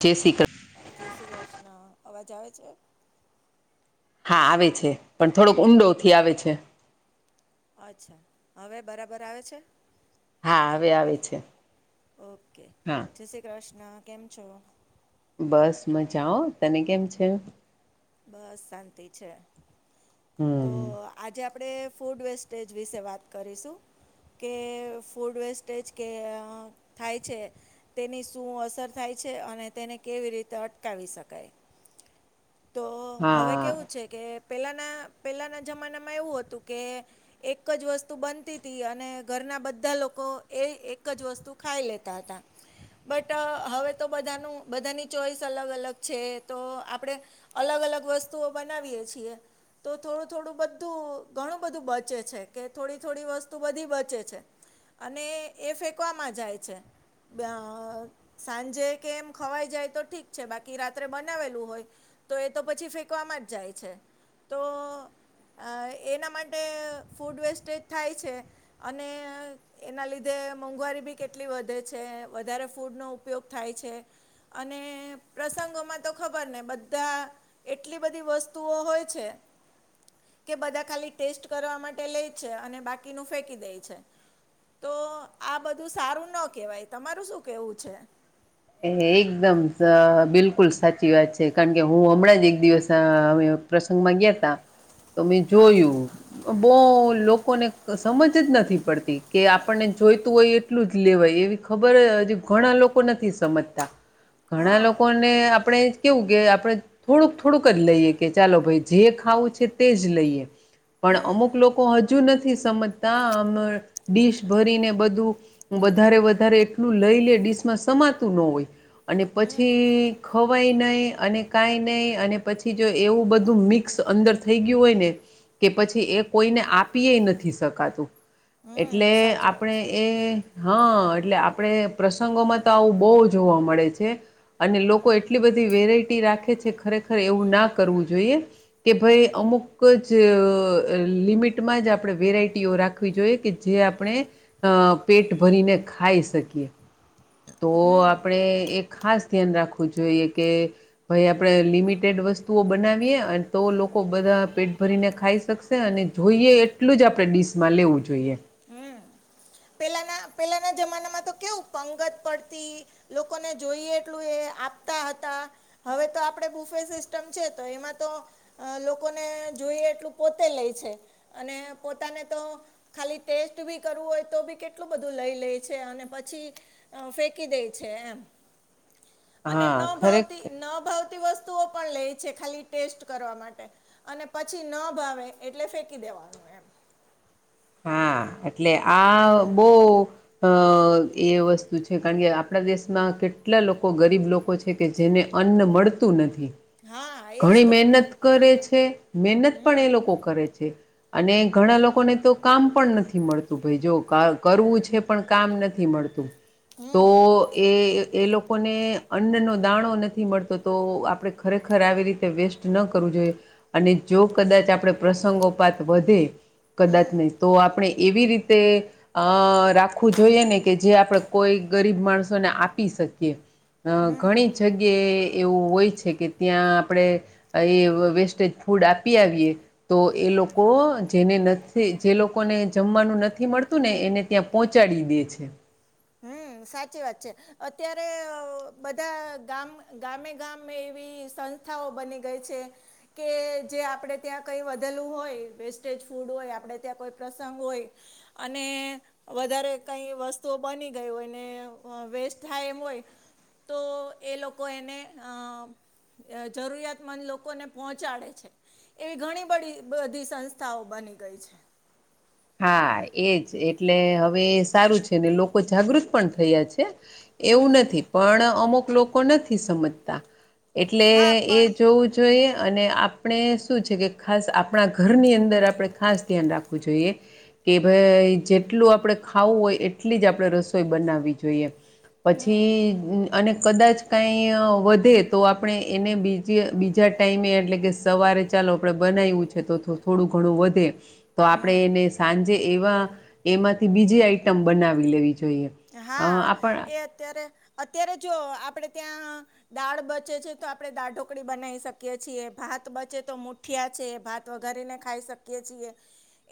Chess જય શ્રી કૃષ્ણ અવાજ આવે છે. હા આવે છે પણ થોડોક ઊંડો થી આવે છે. અચ્છા હવે બરાબર આવે છે. હા હવે આવે છે ઓકે હા જ શ્રી કૃષ્ણ કેમ છ. બસ મજાઓ તને કેમ છે. બસ શાંતિ છે. તો હમ આજે આપણે ફૂડ વેસ્ટેજ વિશે વાત કરીશુ કે ફૂડ વેસ્ટેજ કે થાય છે. તેની શું અસર થાય છે અને તેને કેવી રીતે અટકાવી શકાય તો હવે હા કેવું છે કે પહેલાના પહેલાંના જમાનામાં એવું હતું કે એક જ વસ્તુ બનતી હતી અને ઘરના બધા લોકો એ એક જ વસ્તુ ખાઈ લેતા હતા. બટ હવે તો બધાનું બધાની ચોઈસ અલગ અલગ છે તો આપણેે અલગ અલગ વસ્તુઓ બનાવીયએ છીએ. તો થોડું થોડું બધું ઘણું બધું બચે છે કે થોડી થોડી વસ્તુ બધી બચે છે. અને એ ફેંકવામાં જાય છે. સાંજે કે એમ ખવાઈ જાય તો ઠીક છે બાકી રાત્રે બનાવેલું હોય. તો એ તો પછી ફેંકવામાં જ જાય છે તો અ એના માટે ફૂડ વેસ્ટેજ થાય છે અને એના લીધે મોંઘવારી બી કેટલી વધે છે વધારે ફૂડનો ઉપયોગ થાય છે. અને પ્રસંગોમાં તો ખબર ને બધ ધા એટલી બધી વસ્તુઓ હોય છે. કે બધા ખાલી ટેસ્ટ કરવા માટે લે છે અને બાકીનું ફેંકી દે છે. તો આ બધું સારું ના કેવાય તમારું શું કેવું છે. એ એકદમ બિલકુલ સાચી વાત છે કારણ કે હું હમણાં જ એક દિવસ અમે પ્રસંગ મા ગીતાં તમે હા જોયું બહ લોકોને સમજ જ નથી પડતી કે આપણને જોઈતું હોય એ એટલું જ લેવાય એવી ખબર હજ ઘણા લોકો નથી સમજતા ઘણા હા લોકોને આપણે કેવું કે આપણે થોડુંક થોડુંક જ લઈએ કે ચાલો ભાઈ જે ખાવું છે તે જ લઈએ પણ હમ અમુક લોકો હજુ નથી સમજતા આમ ડીશ ભરીને બધું વધારે વધારે એટલું લઈ લે ડિશમાં સમાતું ન હોય અને હમ પછી ખવાય નહીં અને કાંઈ નહીં અને પછી જો એવું બધું મિક્સ અંદર થઈ ગયું હોય ને કે પછી એ કોઈને આપી એ નથી શકાતું એટલે હમ સાચી વાત આપણે છે એ હા એટલે આપણે પ્રસંગોમાં તો આવું બહુ જોવા મળે છે. અને લોકો એટલી બધી વેરાયટી રાખે છે ખરેખર એવું ના કરવું જોઈએ કે ભાઈ અમુક જ લિમિટમાં જ આપણે વેરાયટીઓ રાખ રાવી જોઈ કે જે આપણે પેટ ભરીને ખાઈ શકીએ તો આપણે એક ખાસ ધ્યાન રાખવું જોઈએ કે ભાઈ આપણે લિમિટેડ વસ્તુઓ બનાવીએ અને તો લોકો બધા પેટ ભરીને ખાઈ શકશે. અને જોઈએ એટલું જ આપણે ડીશમાં લેવું જોઈએ. હમ પેલાના પેલાના જમાનામાં તો કેવું પંગત પડતી લોકોને જોઈએ એટલું એ આપતા હતા. હવે તો આપડે બુફે સિસ્ટમ છે તો એમાં તો અ લોકોને જોઈએ એટલું પોતે લે છે અને પોતાને તો ખાલી ટેસ્ટ બી કરવું હોય તો બી કેટલું બધું લઈ લે છે. અને પછી અ ફેંકી દે છે એમ અને ન હા ભાવતી ખરેખર ન ભાવતી વસ્તુ વસ્તુઓ પણ લે છે ખાલી ટેસ્ટ કરવા માટે અને પછી ન ભાવે એટલે ફેંકી દેવાનું એમ. હા એટલે આ બહ અ એ વસ્તુ છે કારણ કે આપણા દેશમાં કેટલા લોકો ગરીબ લોકો છે‌. છે કે જેને અન્ન મળતું નથી. હા‌ ઘણી મહેનત કરે છે મહેનત હમ પણ એ લોકો કરે છે. અને ઘણા લોકોને તો કામ પણ નથી મળતું ભાઈ જો કરવું છે પણ કામ નથી મળતું. હમ તો એ એ લોકોને અન્નનો દાણો નથી મળતો તો આપડે ખરેખર ખર આવી રીતે વેસ્ટ ન કરવું જોઈએ અને જો કદાચ આપણે પ્રસંગોપાત વધે કદાચ હમ નહી તો આપણે એવી રીતે અ રાખવું જોઈએ ને કે જે આપણે કોઈ ગરીબ માણસોને આપી શકીએ. અ ઘણી જગ્યાએ એવું હોય છે કે ત્યાં આપણે એ વેસ્ટેજ ફૂડ આપી આવીએ તો એ લોકો જેને નથી જે લોકોને જમવાનું નથી મળતું ને એને ત્યાં પહોંચાડી દે છે. હમ સાચી વાત છે. અત્યારે બધા ગામ ગામે ગામે એવી સંસ્થાઓ બની ગઈ છે. કે જે આપણે ત્યાં કંઈ વધેલું હોય વેસ્ટેજ ફૂડ હોય આપણે ત્યાં કોઈ પ્રસંગ હોય અને વધારે કઈ વસ્તુ બની ગયું હોય ને વેસ્ટ થાય એમ હોય તો એ લોકો એને જરૂરિયાતમંદ લોકોને પહોંચાડે છે. એવી ઘણી બધી બધી સંસ્થાઓ બની ગઈ છે. હા એજ એટલે હવે સારું છે ને લોકો જાગૃત પણ થયા છે. એવું હમ નથી પણ અમુક લોકો નથી સમજતા. એટલે હા એ પણ જોવું જોઈએ હમ અને આપ આપણે શું છે કે ખાસ આપણા ઘરની અંદર આપણે ખાસ ધ્યાન રાખવું જોઈએ. કે ભાઈ જેટલું આપણે ખાવું હોય એટલી જ આપણે રસોઈ બનાવવી જોઈએ. હમ પછી અને કદાચ કાંઈ વધે તો આપણે એને બીજી બીજા ટાઈમે એટલે કે સવારે ચાલો આપણે બનાવું છે. તો થોડું ઘણું વધે તો આપણે હમ એને સાંજે એવા એમાંથી બીજી આઈટમ બનાવી લેવી જોઈએ. અ હા આપણ એ અત્યારે અત્યારે જો આપણેે ત્યાં દાળ બચે છે તો આપડણે દાળ ઢોકળી બનાવી શકીય છીએ ભાત બચે તો મો ગઠિયા છે ભાત વગારીને ખાઈ શકીએ છીએ.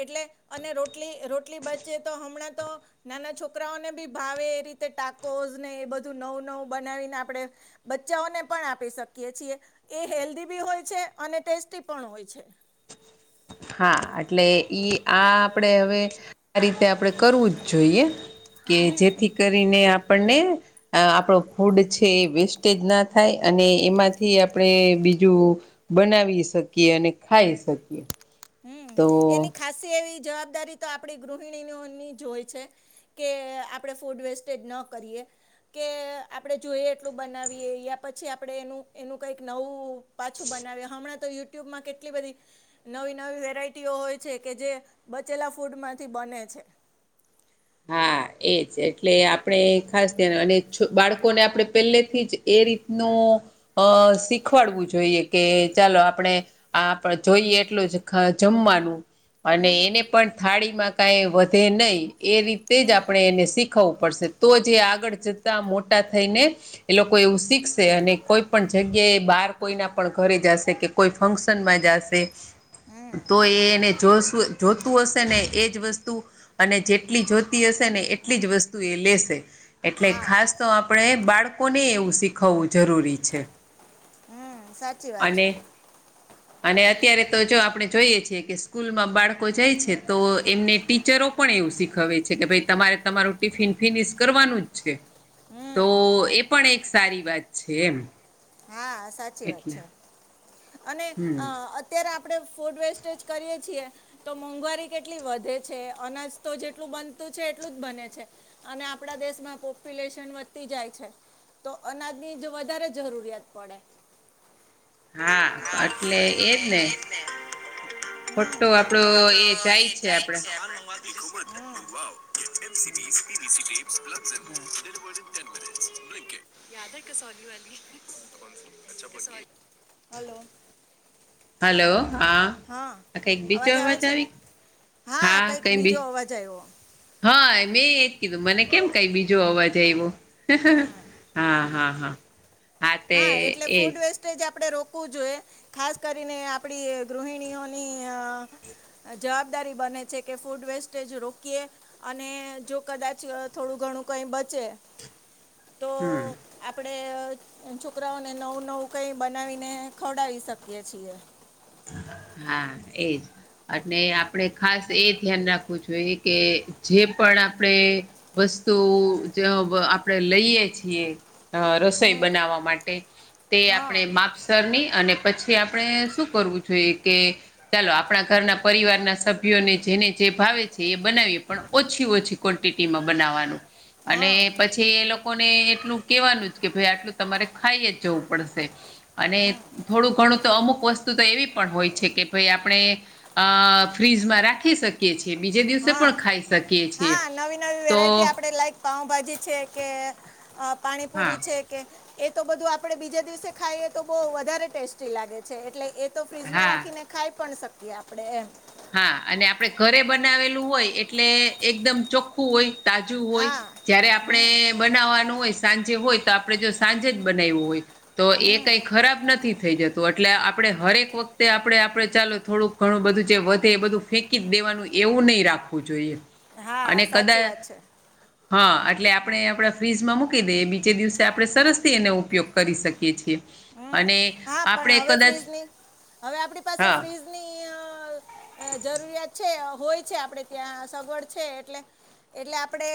એટલે અને રોટલી રોટલી બચે તો હમણાં તો નાના છોકરાઓને બી ભાવે એ રીતે ટાકોઝ ને એ બધું નવું નવું બનાવીને આપણે બચ્ચાઓને પણ આપી શકીએ છીએ એ હેલ્ધી બી હોય છે અને ટેસ્ટી પણ હોય છે. હા એટલે ઈ આ આપણેે હવે આ રીતે આપણે કરવું જ જોઈએ કે જેથી કરીને આપણને આ આપણો ફૂડ છે એ વેસ્ટેજ ના થાય અને એમાંથી આપણે બીજું બનાવી શકીએ અને ખાઈ શકીએ. હમ તો એની ખાસ એવી જવાબદારી તો આપણી ગૃહિણીઓની જ હોય છે. કે આપણે ફૂડ વેસ્ટેજ ન કરીએ. કે આપણે જોઈએ એટલું બનાવીએ યા પછી આપણે એનું એનું કંઈક નવું પાછું બનાવ હમણાં તો યુટ્યુબમાં કેટલી બધી નવી નવી વેરાયટીઓ હોય છે કે જે બચેલા ફૂડ માંથી બને છે. હા. એજ એટલે આપણે ખાસ ધ્યાન અને બાળકોને આપણે પહેલેથી જ એ રીતનું અ શીખવાડવું જોઈએ કે ચાલો આપણે આ આપડ જોઈએ એટલું જ જમવાનું અને હમ એને પણ થાળી માં કાઈ વધે નહી એ રીતે જ હમ આપણે એને શીખ ખવું પડશે તો જે આગળ જતા મોટા થઈને એ લોકો એવું શીખશે અને કોઈ પણ જગ્યાએ બાર કોઈના પણ ઘરે જશે કે કોઈ ફંક્શનમાં જશે. હમ તો એ એને જો જોતું હશે ને એજ વસ્તુ અને જે એટલી જોતી હશે ને એટલી જ વસ્તુ એ લેશે. એટલે હા ખાસ તો આપણે બાળકોને એવું શીખવવું જરૂરી છે. હમ સાચી વાત અને છે. અને અત્યારે તો જો આપણે જોઈએ છેએ કે સ્કૂલમાં બાળકો જાય છે તો એમને ટીચરો પણ એવું શીખવે છે કે ભાઈ તમારે તમારું ટિફિન ફિનિશ કરવાનું જ છે. તો હમ એ પણ એક સારી વાત છે એમ. હા સાચી વાત એટલે છે. અને અ હમ અત્યારે આપણે ફૂડ વેસ્ટેજ કરીયએ છીએ. તો મોંઘવારી કેટલી વધે છે અનાજ તો જેટલું બનતું છે એટલું જ બને છે. અને આપણા દેશમાં પોપ્યુલેશન વધતી જાય છે તો અનાજની વધારે જરૂરિયાત કડ હા એટલે એજ ને આપડો ખોટો આપડો જાય એ છે આપડે જાય છે. [inaudible] હમ. યાદે કસોલી વા હલો. હલો હા. કઈક બીચ આવે અવાજ છે ને આવી હા કંઈક કઈ બીચ. બીજો અવાજ આવ્યો હા મેં એજ કીધું મને કેમ કઈ બીજો અવાજ આવ્યો. હમ હા હા હા. તે હા એટલે એજ ફૂડ વેસ્ટ. આપણે રોકવું જોઈએ ખાસ કરીને આપડી ગૃહિણીઓની. જવાબદારી બને છે કે ફૂડ વેસ્ટેજ રોકીએ. અને જો કદાચ થોડું ઘણું કઈ બચે. તો આપડે. એ છોકરાઓને નવું નવું કઈ બનાવીને ખવડાવી શકીએ છીએ. હા એજ. અને આપણે ખાસ એ ધ્યાન રાખવું જોઈએ કે જે પણ આપણે. વસ્તુજે આપણેે લઈએ છીએ. અ રસોઈ હમ બનાવવા માટે તે હા આપણે માપસરની અને પછી આપણે શું. કરવું જોઈએ કે. ચાલો આપણા ઘરના પરિવારના સભ્યોને જેને જે ભાવે છે એ બનાવીએ પણ ઓછી ઓછી. ક્વન્ટિટીમાં બનાવાનું અને હા પી. પછી એ લોકોને એટલું કેવાનુંજ, કે ભાઈ આટલું તમારે ખાઈએજ જવું પડશે. અને થોડું ઘણું તો અમુક વસ્ત તુ તો એવી પણ હોય છે, કે ભઇ આપણે અ ફ્રીજમાં રાખી શક યે છે, બીજે દિવસે પણ હા ખાઈ શકીએ છીએ, તો પાઉભાજી છે, કે હા પાણીપુરી છે. કે એ તો બધું આપડે બીજા દિવસે ખાઈએ, તો બહ વધારે ટેસ્ટી લાગે છે, એટલે એ તો ફ્રીજમાં હા રાખીને ખાઈ પણ શકીએ આપડે એમ. હા, અને આપડે ઘરે બનાવેલું હોય, એટલે એકદમ ચોખ ખું હોય, તાજું હોય, હા જય્યારે આપણે. હમ બનાવવાનું હોય, સાંજે હોય તો આપડે જો સાંજેજ બનાવયુ હોય. તો એ કાઈ ખરાબ નથી થઈ જત તો એટલે આપડે હરેક વખતે આપડે આપડે ચાલો થોડુંક ઘણું બધું જે વ તે બધું ફેંકી દેવાનું, એવું નહી રાખવું જોઈએ, હા અને સાચી કદાચ. વાત છે હા એટલે આપડે આપણા ફ્રીજમાં મૂકી દઈએ, બીજે દિવસે આપણે સરસથી એનો ઉપયોગ કરી શકીએ છીએ. હમ અને. હા પણ આપણે હવે કદાચ ફ્રીજની, હવે આપણી પાસે હા ફ્રીઝની અ અ જરૂરિયાત છે, હોય છે આપડે ત્યાં, સગવડ છે એટલે. એટલે આપડે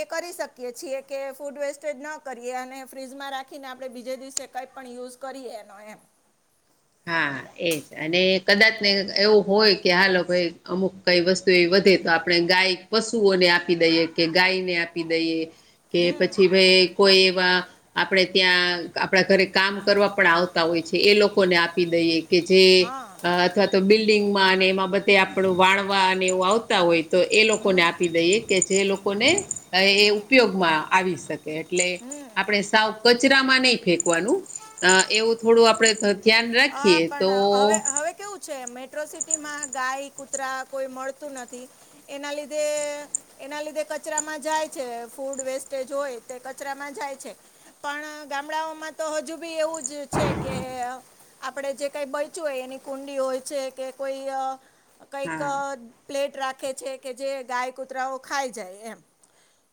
એ કરી શકીએ છીએ કે, ફૂડ વેસ્ટેજ ન કરીએ અને ફ્રીજમાં રાખી ખીને આપણે બીજે દિવસે કંઈ પણ યુઝ કરીએ એનો એમ. હા, એજ અને કદાચ ને એવું હોય કે આ લોકોએ અમુક કઈ વસ્તુ એ વધે તો, આપણે ગાય પશુઓને આપી દઈએ કે ગાયને આપી દઈએ. કે પછી ભેં કોઈ એવા, આપણે ત્યાં, આપણા ઘરે કામ કરવા પણ આવતા હોય છે, એ લોક કોને આપી દઈએ કે જે હા અ અથવા તો બિલ્ડિંગમાં, અને એમાં બધે આપણું વાળવા અને એવું આવતા હોય. તો એ લોકોને હમ આપી દઈએ કે જે લોકોને અ એ ઉપયોગમાં આવી શકે. એટલે હમ આપણે સાવ કચરામાં નહી ફેંકવાનું, અ એવું થોડું આપડે ધ અ પણ હવે, હવે કેવું છે, મેટ્રો સિટીમાં ગાય, કૂતરા કોઈ મળતું નથી, એના લીધે એના લીધે કચરામાં જાય છે, ફૂડ વેસ્ટેજ હોય તે કચરામાં જાય છે. પણ ગામડાઓમાં તો હજુ બી એવુંજ છે કે. આપણે જે કઈ બચ્યું હોય એની કુંડી હોય છે, કે કોઈઅ કંઈક હા પ્લેટ રાખે છે, કે જે ગાય, કુતરાઓ ખાઈ જાય એમ.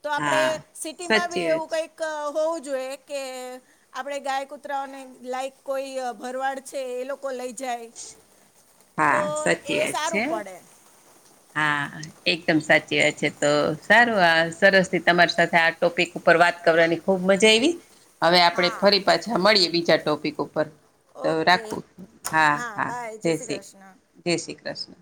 તો આપડે હા સિટીમાં સાચી બી વાત એવું છે કઈક ક હોવું જોઈએ કે, આપણે ગાય, કુતરાઓને લાઈક કોઈ ભરવાડ છે એ લોકો લઈ જાય, તો હા સાચી એ વાત સારું છે પડે. હા એકદમ સાચી વાત છે, તો સારું આ સરસ થી તમારી સાથે આ ટોપિક ઉપર વાત કરવાની ખુબ મજા આવી, હવે આપડે હા ફરી પાછા મળીએ બીજા ટોપિક ઉપર. તો ઓકે રાખું, હા હા, જય શ્રી, જય શ્રી કૃષ્ણ.